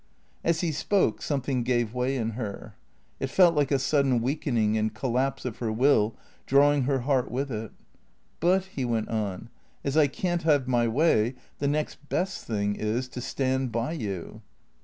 As he spoke something gave way in her. It felt like a sudden weakening and collapse of her will, drawing her heart with it. " But," he went on, " as I can't have my way, the next best thing is — to stand by you."